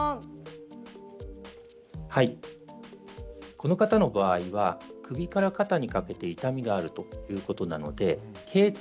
この方の場合は首から肩にかけて痛みがあるということなのでけい椎